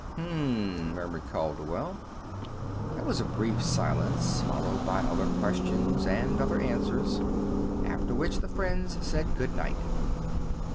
"Hm m," murmured Calderwell. There was a brief silence, followed by other questions and other answers; after which the friends said good night.